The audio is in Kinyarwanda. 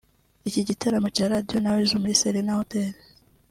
Iki gitaramo cya Radio na Weasel muri Serena Hotel